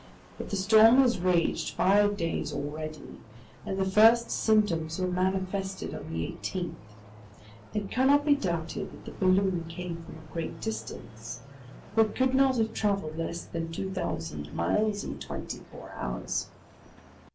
But the storm had raged five days already, and the first symptoms were manifested on the 18th. It cannot be doubted that the balloon came from a great distance, for it could not have traveled less than two thousand miles in twenty four hours.